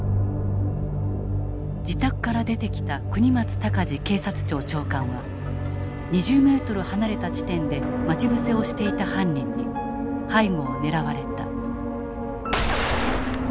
自宅から出てきた國松孝次警察庁長官は２０ｍ離れた地点で待ち伏せをしていた犯人に背後を狙われた。